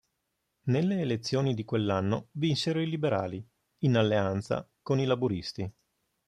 Nelle elezioni di quell'anno vinsero i Liberali, in alleanza con i Laburisti.